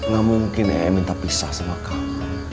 gak mungkin ya minta pisah sama kamu